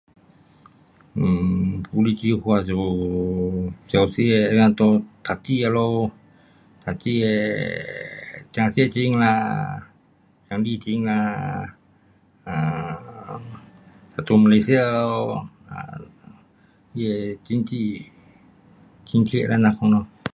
um 鼓励计划就有小学他人在读书那里，读书的奖学金啦，奖励金啦，这阵马来西亚它的经济津贴，这样款咯。